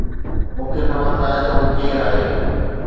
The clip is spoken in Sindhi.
مون کي خبر ناهي ته هو ڪير آهي